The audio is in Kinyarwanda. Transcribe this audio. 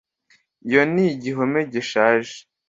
iyo ni igihome gishaje